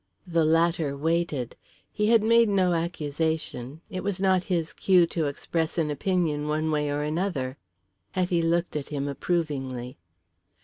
The latter waited. He had made no accusation; it was not his cue to express an opinion one way or another. Hetty looked at him approvingly.